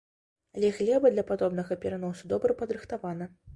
Але глеба для падобнага пераносу добра падрыхтавана.